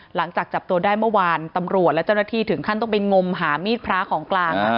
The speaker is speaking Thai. หลังจากจับตัวได้เมื่อวานตำรวจและเจ้าหน้าที่ถึงขั้นต้องไปงมหามีดพระของกลาง